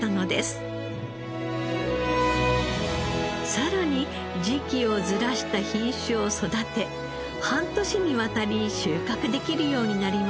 さらに時期をずらした品種を育て半年にわたり収穫できるようになりました。